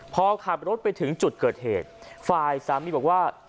พอขับรถไปถึงจุดเกิดเหตุฝ่ายสามีบอกว่า